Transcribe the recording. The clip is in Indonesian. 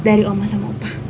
dari oma sama opa